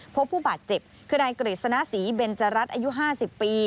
พบผู้บาดเจ็บคือนายกฤษณศรีเบนจรัสอายุ๕๐ปี